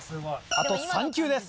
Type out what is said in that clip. あと３球です。